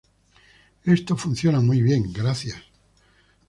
Esto funciona muy bien, ¡gracias!.